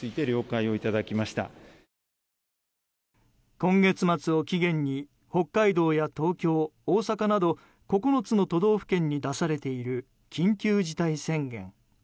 今月末を期限に北海道や東京、大阪など９つの都道府県に出されている緊急事態宣言。